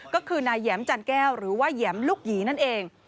ก็คือนายแหยมจันแก้วหรือว่าแหยมลูกหยีนั่นเอง